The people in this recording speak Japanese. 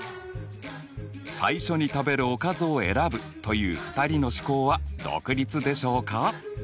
最初に食べるおかずを選ぶという２人の試行は独立でしょうか？